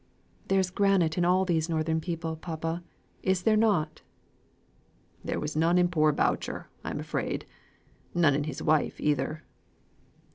"There's granite in all these northern people, papa, is there not?" "There was none in poor Boucher, I am afraid; none in his wife either."